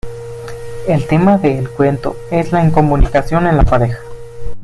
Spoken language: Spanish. El tema del cuento es la incomunicación en la pareja.